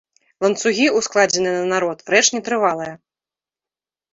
Ланцугі, ускладзеныя на народ, рэч нетрывалая.